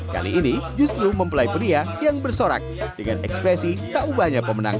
kali ini justru mempelai pria yang bersorak dengan ekspresi tak ubahnya pemenang